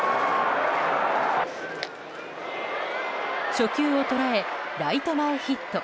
初球を捉えライト前ヒット。